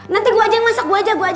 nanti gue ajak masak gue ajak